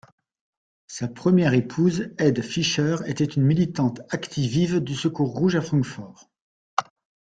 Sa première épouse, Ede Fischer, était une militante activive du Secours rouge à Francfort.